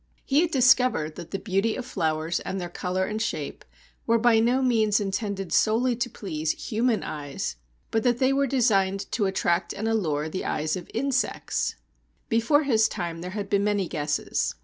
He had discovered that the beauty of flowers and their colour and shape were by no means intended solely to please human eyes, but that they were designed to attract and allure the eyes of insects. Before his time there had been many guesses.